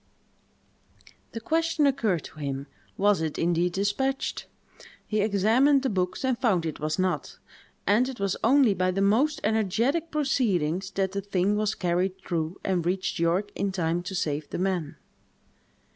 The question occurred to him, was it indeed despatched? He examined the books and found it was not; and it was only by the most energetic proceedings that the thing was carried through, and reached York in time to save the men.